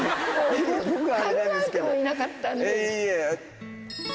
考えてもいなかったので。